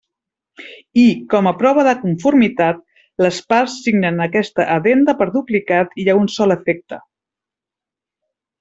I, com a prova de conformitat, les parts signen aquesta Addenda per duplicat i a un sol efecte.